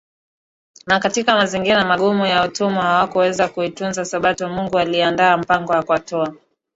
na katika mazingira magumu ya Utumwa hawakuweza kuitunza Sabato Mungu aliandaa mpango wa kuwatoa